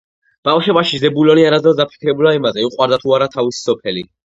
ბავშვობაში ზებულონი არასდროს დაფიქრებულა იმაზე, უყვარდა თუ არა თავისი სოფელი